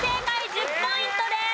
１０ポイントです。